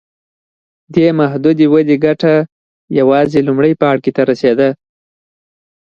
دې محدودې ودې ګټه یوازې لومړي پاړکي ته رسېده.